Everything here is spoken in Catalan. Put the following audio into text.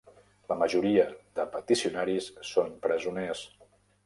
La majoria de peticionaris són presoners.